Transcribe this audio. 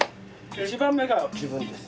１番目が自分です。